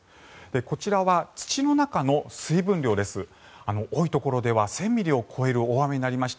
こちらは土の中の水分量です。